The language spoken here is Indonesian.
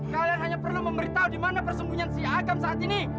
kalian hanya perlu memberitahu di mana persembunyian si agam saat ini